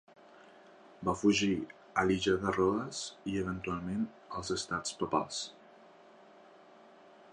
Va fugir a l'illa de Rodes, i eventualment als Estats Papals.